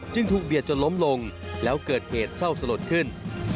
ถูกเบียดจนล้มลงแล้วเกิดเหตุเศร้าสลดขึ้น